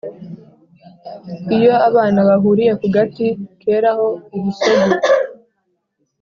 lyo abana bahuriye ku gati keraho ubusogo,